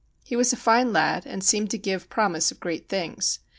He was a fine lad, and seemed to give promise of great things.